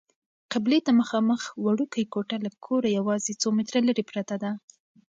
قبلې ته مخامخ وړوکې کوټه له کوره یوازې څو متره لیرې پرته ده.